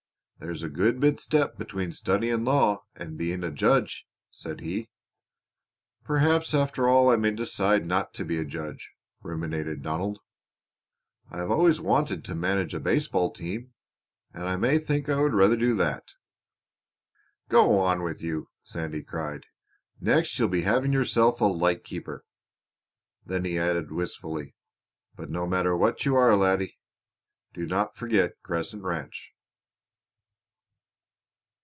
"There's a good bit step between studying law and being a judge," said he. "Perhaps after all I may decide not to be a judge," ruminated Donald. "I have always wanted to manage a baseball team and I may think I would rather do that." "Go on with you!" Sandy cried. "Next you'll be having yourself a lighthouse keeper." Then he added wistfully: "But no matter what you are, laddie, dinna forget Crescent Ranch."